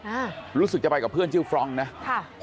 อ่ารู้สึกจะไปกับเพื่อนชื่อฟรองก์นะค่ะ